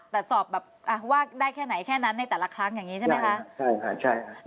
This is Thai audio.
แต่สอบแบบอ่ะว่าได้แค่ไหนแค่นั้นในแต่ละครั้งอย่างงี้ใช่ไหมคะใช่ค่ะใช่ค่ะ